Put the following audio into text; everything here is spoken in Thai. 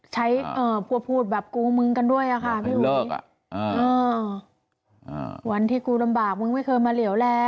ใช้พูดแบบกูมึงกันด้วยอ่ะค่ะวันที่กูลำบากมึงไม่เคยมาเหลี่ยวแล